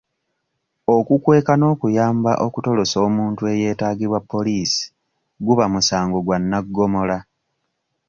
Okukweka n'okuyamba okutolosa omuntu eyeetaagibwa poliisi guba musango gwa naggomola.